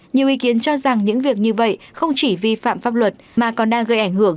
nhiều ý kiến cho rằng những việc như vậy không chỉ vi phạm pháp luật mà còn đang gây ảnh hưởng